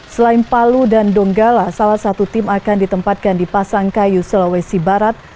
selain palu dan donggala salah satu tim akan ditempatkan di pasangkayu sulawesi barat